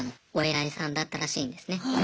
いさんだったらしいんですね。